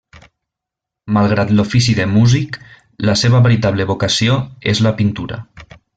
Malgrat l'ofici de músic, la seva veritable vocació és la pintura.